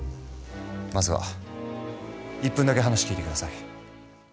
まずは１分だけ話聞いて下さい。